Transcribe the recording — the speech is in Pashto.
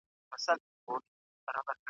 مږندي مي ښایستې یوه تر بلي ګړندۍ دي .